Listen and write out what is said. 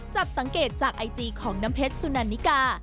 จับสังเกตจากไอจีของน้ำเพชรสุนันนิกา